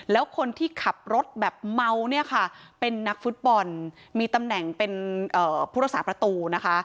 แล้วคนที่ขับรถแบบเมาเนี่ยค่ะเป็นนักฟุตบอลมีตำแหน่งเป็นผู้รักษาประตูนะคะ